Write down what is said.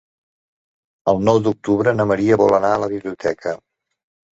El nou d'octubre na Maria vol anar a la biblioteca.